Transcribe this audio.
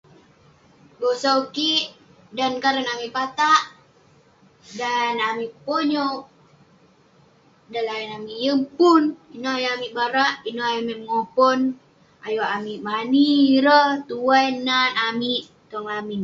Kebosau kik, dan karen amik patak..dan amik ponyouk, dan line amik yeng pun..ineh ayuk barak, ineh ayuk amik mengopon, ayuk amik mani ireh tuai nat amik tong lamin..